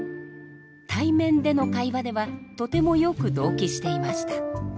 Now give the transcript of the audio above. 対面での会話ではとてもよく同期していました。